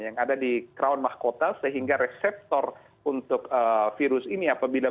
yang ada di crown mahkota sehingga reseptor untuk virus ini apabila